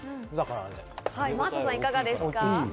真麻さん、いかがですか？